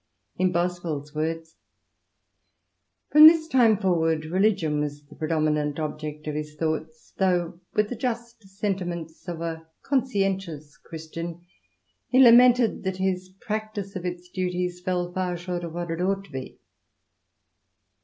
In Boswell's words — "From this time forward Religion was the predominant object of his thoughts; though, with the just sentiments of a conscientious Christian, he lamented that his practice of its duties fell far short of what it ought to be."